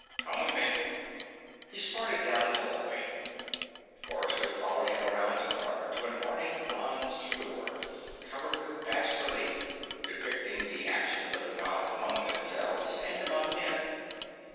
"Come with me." He started down the hallway. Forrester followed him around a corner to an ornate bronzed door, covered with bas reliefs depicting the actions of the Gods among themselves, and among men.